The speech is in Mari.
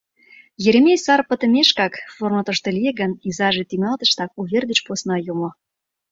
Еремей сар пытымешкак фронтышто лие гын, изаже тӱҥалтыштак увер деч посна йомо.